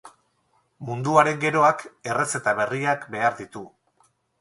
Munduaren geroak errezeta berriak behar ditu.